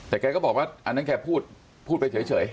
แต่แกก็บอกว่าอันนั้นแกพูดไปเฉย